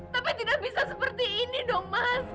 tapi tidak bisa seperti ini dong mas